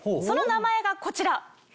その名前がこちら。